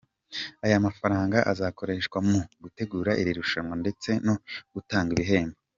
aya mafaranga akazakoreshwa mu gutegura iri rushanwa ndetse no gutanga ibihembo.